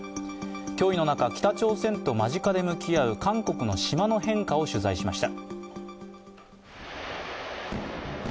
脅威の中、北朝鮮と間近に向き合う韓国の島の変化を取材しました。